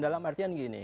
dalam artian gini